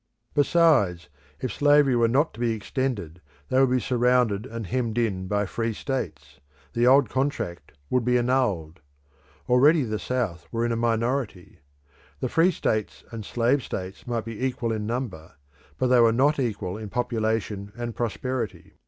Besides, if slavery were not to be extended they would be surrounded and hemmed in by free states; the old contract would be annulled. Already the South were in a minority. The free states and slave states might be equal in number; but they were not equal in population and prosperity.